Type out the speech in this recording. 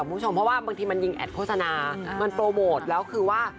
คุณผู้ชมเพราะว่าบางทีมันยิงแอดโฆษณามันโปรโมทแล้วคือว่า